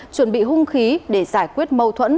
chuẩn bị hung khí để giải quyết mâu thuẫn